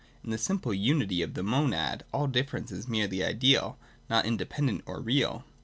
In the simple unity of the Monad, all difference is merely ideal, not independent or real.